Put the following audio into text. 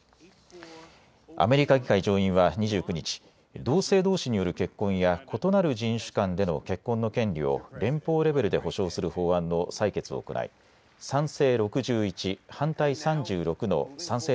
アメリカ議会上院は２９日、同性どうしによる結婚や異なる人種間での結婚の権利を連邦レベルで保障する法案の採決を行い賛成６１、反対３６の賛成